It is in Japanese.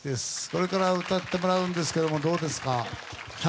これから歌ってもらうんですけどどうですか？